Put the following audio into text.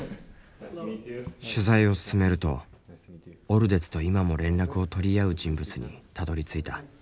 取材を進めるとオルデツと今も連絡を取り合う人物にたどりついた。